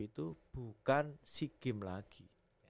itu bukan si gim lagi